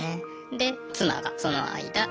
で妻がその間。